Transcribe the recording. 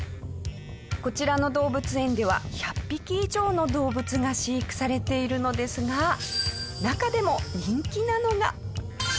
こちらの動物園では１００匹以上の動物が飼育されているのですが中でも人気なのが。